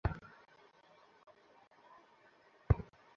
রাগ করোনি তো?